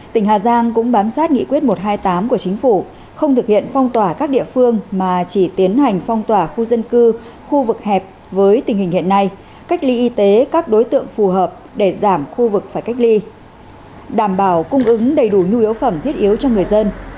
tỉnh hà giang cũng bám sát nghị quyết một trăm hai mươi tám của chính phủ không thực hiện phong tỏa các địa phương mà chỉ tiến hành phong tỏa khu dân cư khu vực hẹp với tình hình hiện nay cách ly y tế các đối tượng phù hợp để giảm khu vực phải cách ly đảm bảo cung ứng đầy đủ nhu yếu phẩm thiết yếu cho người dân